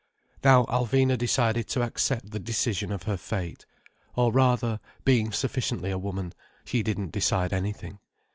Now Alvina decided to accept the decision of her fate. Or rather, being sufficiently a woman, she didn't decide anything.